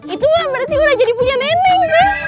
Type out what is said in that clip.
itu mah berarti udah jadi punya neneng